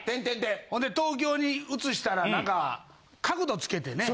ほんで東京に移したら何か角度つけてね。